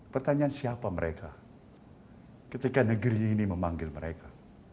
pertanyaan siapa mereka ketika negeri ini memanggil mereka